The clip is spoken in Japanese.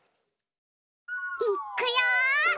いっくよ！